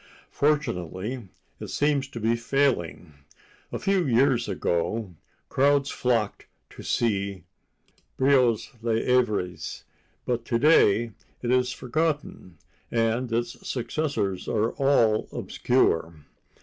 Fortunately, it seems to be failing. A few years ago, crowds flocked to see Brieux's "Les Avariés," but to day it is forgotten, and its successors are all obscure.